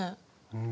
うん。